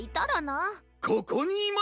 ここにいますぞ！